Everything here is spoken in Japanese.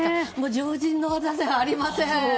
常人のわざじゃありません。